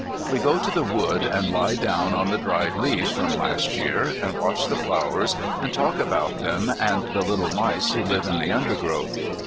We go to the wood and lie down on the dried leaves from last year, and watch the flowers and talk about them and the little mice who live in the undergrowth.